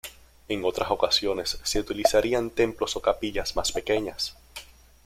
En otras ocasiones se utilizarían templos o capillas más pequeñas.